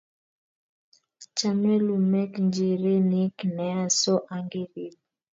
Chame lumek njirenik nea so ongerip